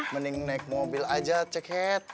mending naik mobil aja ceket